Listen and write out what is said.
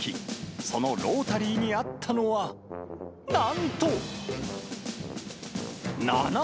そのロータリーにあったのは、なんと。